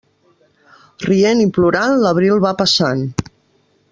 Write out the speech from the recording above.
Rient i plorant, l'abril va passant.